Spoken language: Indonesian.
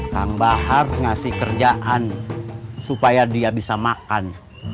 tambah harus ngasih kerjaan supaya dia bisa makan